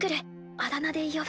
あだ名で呼ぶ。